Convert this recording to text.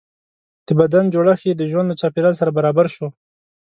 د بدن جوړښت یې د ژوند له چاپېریال سره برابر شو.